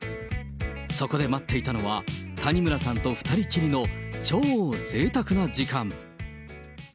そこで待っていたのは、谷村さんと２人きりの、超ぜいたくな時間。